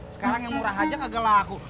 sekarang yang murah aja gak laku